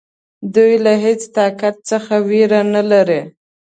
دوی له هیڅ طاقت څخه وېره نه لري.